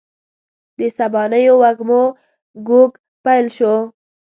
د سبانیو وږمو ږوږ پیل شو